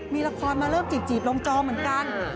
มีละครมาเริ่มจีบลงจอเหมือนกัน